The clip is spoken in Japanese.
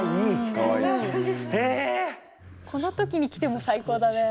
この時に来ても最高だね。